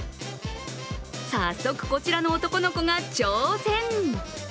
早速、こちらの男の子が挑戦。